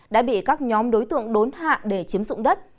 đã bị các nhóm đối tượng đốn hạ để chiếm dụng đất